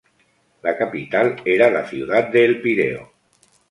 La capital era la ciudad de El Pireo.